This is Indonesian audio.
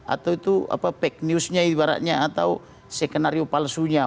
atau itu apa fake news nya ibaratnya atau sekenario palsunya